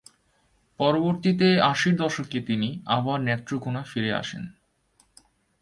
পরবর্তীতে আশির দশকে তিনি আবার নেত্রকোণা ফিরে আসেন।